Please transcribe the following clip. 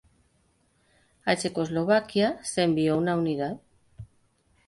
A Checoslovaquia se envió una unidad.